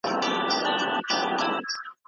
ستاسو نظر د دې پېښې په اړه څه دی؟